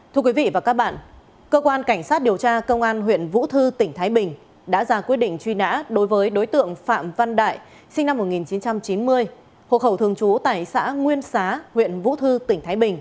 thưa quý vị và các bạn cơ quan cảnh sát điều tra công an huyện vũ thư tỉnh thái bình đã ra quyết định truy nã